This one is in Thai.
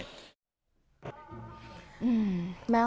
คนร้ายได้มันก็มารอบแทนความสูงเสียงผมไม่ได้